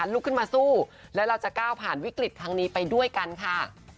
ลุกขึ้นมาสู้และเราจะก้าวผ่านวิกฤตครั้งนี้ไปด้วยกันค่ะ